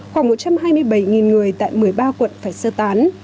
khoảng một trăm hai mươi bảy người tại một mươi ba quận phải sơ tán